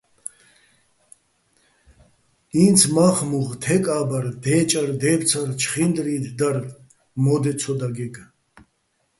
ინც მა́ხ-მუღ, თეკ-ა́ბარ, დე́ჭარ-დე́ფცარ, ჩხინდრი დარ მო́დე ცო დაგეგე̆.